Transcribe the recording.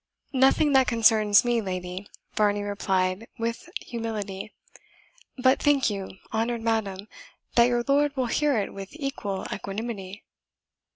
"Nothing that concerns me, lady," Varney replied with humility. "But, think you, honoured madam, that your lord will hear it with equal equanimity?"